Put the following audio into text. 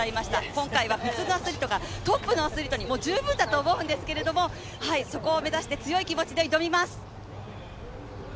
今回は普通のアスリートが、トップのアスリートに十分だと思うんですけどそこを目指して強い気持ちで挑みます。